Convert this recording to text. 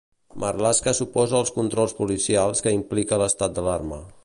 Marlaska s'oposa als controls policials que implica l'estat d'alarma.